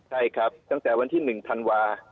ใช่ครับตั้งแต่วันที่๑ธันวา